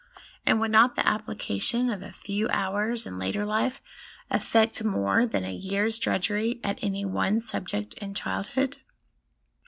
'HABIT IS TEN NATURES* 99 and would not the application of a few hours in later life effect more than a year's drudgery at any one subject in childhood?